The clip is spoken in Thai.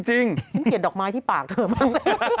ฉันเกลียดดอกไม้ที่ปากเธอบ้าง